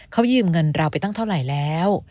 เขายืมเงินเราไปตั้งเท่าไหร่แล้ว